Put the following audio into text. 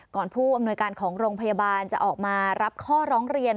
ผู้อำนวยการของโรงพยาบาลจะออกมารับข้อร้องเรียน